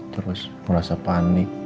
terus ngerasa panik